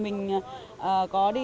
mình có đợi lễ